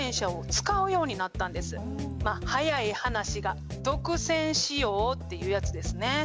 まあ早い話が独占使用っていうやつですね。